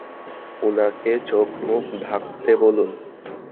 উনাকে চোখমুখ ঢাকতে বলুন!